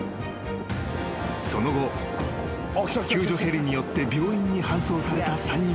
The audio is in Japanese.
［その後救助ヘリによって病院に搬送された３人は］